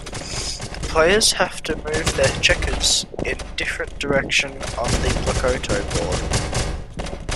The players have to move their checkers in different direction on the Plakoto board.